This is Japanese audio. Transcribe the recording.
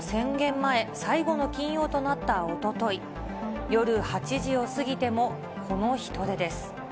前、最後の金曜となったおととい、夜８時を過ぎてもこの人出です。